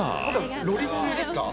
ロリ通ですか？